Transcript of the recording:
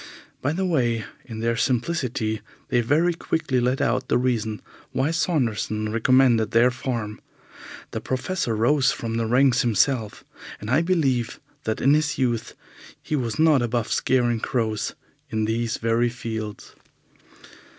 By the way, in their simplicity they very quickly let out the reason why Saunderson recommended their farm. The Professor rose from the ranks himself, and I believe that in his youth he was not above scaring crows in these very fields.